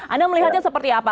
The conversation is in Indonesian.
anda melihatnya seperti apa